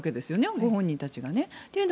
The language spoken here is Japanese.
ご本人たちがね。